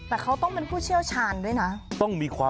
แต่เขาต้องเป็นผู้เชี่ยวชาญด้วยนะ